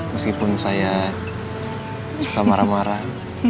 meskipun saya suka marah marah